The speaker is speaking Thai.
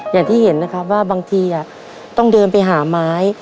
อย่างที่เห็นนะครับว่าบางทีต้องเดินไปหาไม้